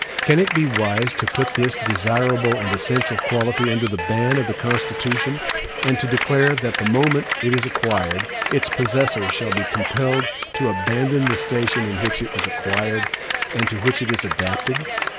Can it be wise to put this desirable and essential quality under the ban of the Constitution, and to declare that the moment it is acquired, its possessor shall be compelled to abandon the station in which it was acquired, and to which it is adapted?